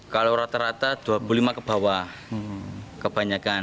kalau rata rata dua puluh lima kebawah kebanyakan